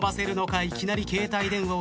いきなり携帯電話を手にした。